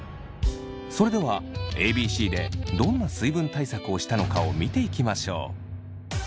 それではＡＢＣでどんな水分対策をしたのかを見ていきましょう。